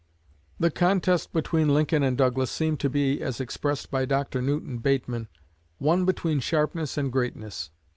The contest between Lincoln and Douglas seemed to be, as expressed by Dr. Newton Bateman, "one between sharpness and greatness."